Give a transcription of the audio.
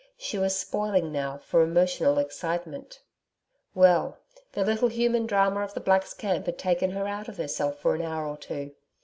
She was spoiling now for emotional excitement. Well, the little human drama of the Blacks' camp had taken her out of herself for an hour or two.